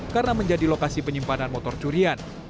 karena menjadi lokasi penyimpanan motor curian